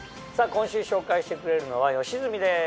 今週紹介してくれるのは吉住です。